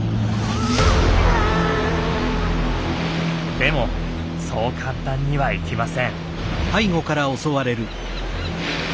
でもそう簡単にはいきません。